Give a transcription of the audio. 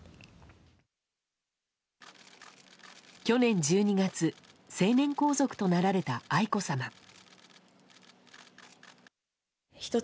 去年１２月成年皇族となられた愛子さま。